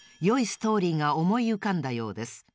よいストーリーがおもいうかんだようです。